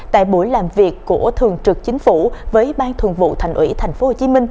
tại buổi làm việc của thường trực chính phủ với ban thường vụ thành ủy tp hcm